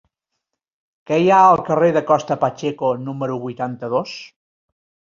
Què hi ha al carrer de Costa Pacheco número vuitanta-dos?